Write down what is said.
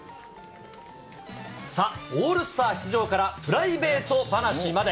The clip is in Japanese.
さあ、オールスター出場からプライベート話まで。